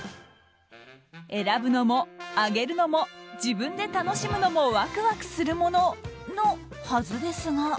選ぶのも、あげるのも自分で楽しむのもワクワクするもののはずですが。